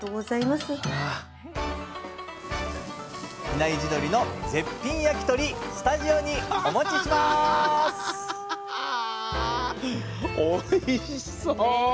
比内地鶏の絶品焼き鳥スタジオにお持ちします！おいしそう！